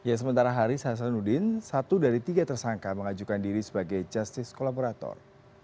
ya sementara hari saya selalu nudin satu dari tiga tersangka mengajukan diri sebagai justice kolaborator